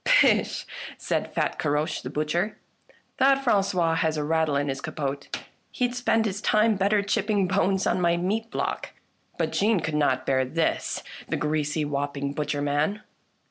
" Pish," said fat Caroche the butcher, " that Fran cois has a rattle in his capote. He'd spend his time bet ter chipping bones on my meat block !" But Jeanne could not bear this — the greasy whop ping butcher man